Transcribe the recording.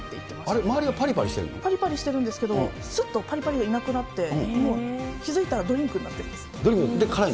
あれ、ぱりぱりしてるんですけど、すっとぱりぱりなくなって、もう気付いたら、ドリンクになっドリンクになってる？